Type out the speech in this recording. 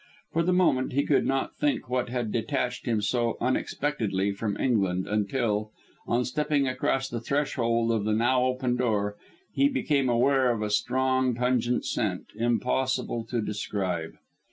For the moment he could not think what had detached him so unexpectedly from England until, on stepping across the threshold of the now open door, he became aware of a strong, pungent scent, impossible to describe.